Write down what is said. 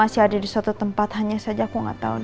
selalu bersama kamu